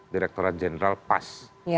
direkturat jenderal pas